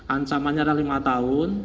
ancamannya ada lima tahun